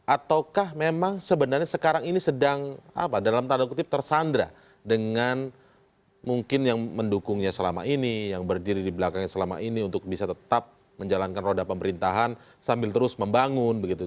ataukah memang sebenarnya sekarang ini sedang apa dalam tanda kutip tersandra dengan mungkin yang mendukungnya selama ini yang berdiri di belakangnya selama ini untuk bisa tetap menjalankan roda pemerintahan sambil terus membangun begitu